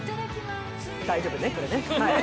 大丈夫ね、これ。